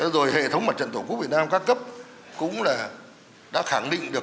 rồi hệ thống mặt trận tổ quốc việt nam các cấp cũng là đã khẳng định được